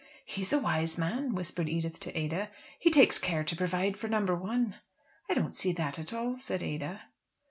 "He is a wise man," whispered Edith to Ada, "he takes care to provide for number one." "I don't see that at all," said Ada.